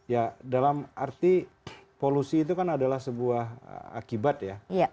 ya dalam arti polusi itu kan adalah sebuah akibat ya